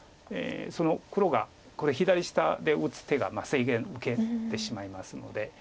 その黒が左下で打つ手が制限受けてしまいますので。